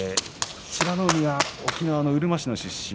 美ノ海は沖縄のうるま市の出身。